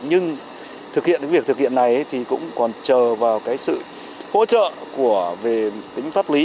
nhưng thực hiện cái việc thực hiện này thì cũng còn chờ vào cái sự hỗ trợ về tính pháp lý